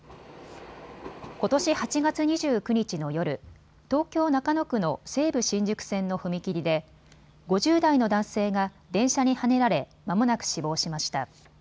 ことし８月２９日の夜、東京中野区の西武新宿線の踏切で５０代の男性が電車にはねられまもなく死亡しました。